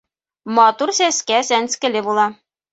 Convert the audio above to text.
Матур сәскә сәнскеле була.